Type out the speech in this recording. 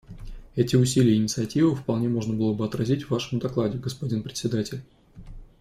Эти усилия и инициативы вполне можно было бы отразить в Вашем докладе, господин Председатель.